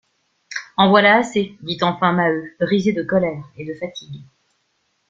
En voilà assez! dit enfin Maheu, brisé de colère et de fatigue.